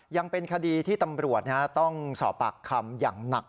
ยังเป็นคดีที่ตำรวจต้องสอบปากคำอย่างหนัก